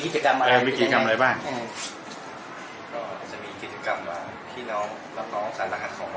แต่มีกิจกรรมอะไรคืนแก่ไหน